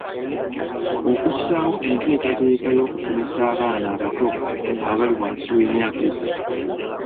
Okussaawo enteekateeka y’okusomesa abaana abato abali wansi w’emyaka esatu.